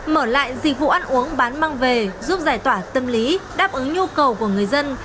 mở lại dịch vụ ăn uống bán mang về giúp giải tỏa tâm lý đáp ứng nhu cầu của người dân